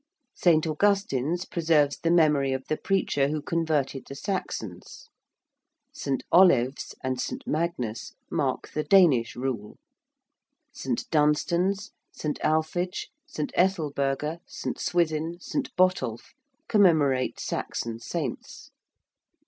St. Augustine's preserves the memory of the preacher who converted the Saxons. St. Olave's and St. Magnus mark the Danish rule: St. Dunstan's, St. Alphege, St. Ethelburga, St. Swithin, St. Botolph, commemorate Saxon saints.